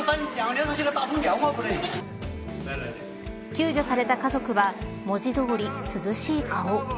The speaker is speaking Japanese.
救助された家族は文字通り涼しい顔。